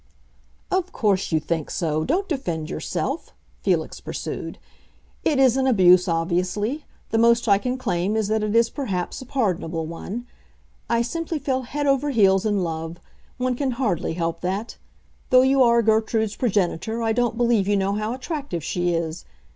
"Of course you think so; don't defend yourself!" Felix pursued. "It is an abuse, obviously; the most I can claim is that it is perhaps a pardonable one. I simply fell head over heels in love; one can hardly help that. Though you are Gertrude's progenitor I don't believe you know how attractive she is.